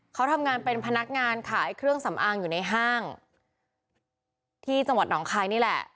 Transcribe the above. เขาทำงานเป็นพนักงานขายเครื่องสำอางอยู่ในห้างที่จังหวัดหนองคายนี่แหละ